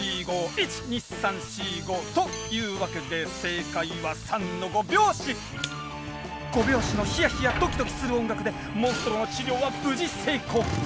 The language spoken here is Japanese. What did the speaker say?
１・２・３・４・５。というわけで５拍子のヒヤヒヤドキドキする音楽でモンストロの治療は無事成功。